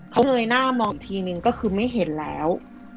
เขาเงยหน้ามองอีกทีนึงก็คือไม่เห็นแล้ว